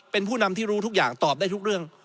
เป็นผู้นำที่รู้ทุกอย่างตอบได้ทุกเรื่อง